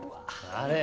あれ！